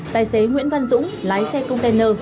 tài xế nguyễn văn dũng lái xe container